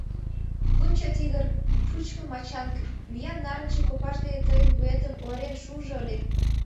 — Лучо тигр — шучко мачанг — виян нарынче копаж дене тыйын вуетым ойырен шуыжо ыле?..